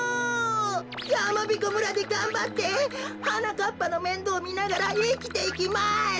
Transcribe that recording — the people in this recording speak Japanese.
やまびこ村でがんばってはなかっぱのめんどうみながらいきていきます。